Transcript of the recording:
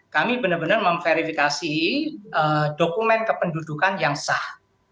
kami benar benar memverifikasi dokumen kependudukan yang sah